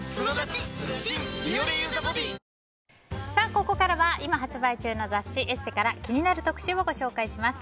ここからは今発売中の雑誌「ＥＳＳＥ」から気になる特集をご紹介します。